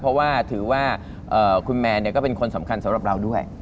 เพราะว่าถือว่าคุณแมนก็เป็นคนสำคัญสำหรับเราด้วย